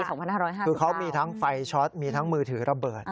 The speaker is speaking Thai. คือเขามีทั้งไฟช็อตมีทั้งมือถือระเบิด